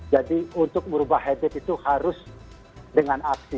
jadi untuk merubah habit itu harus dengan aksi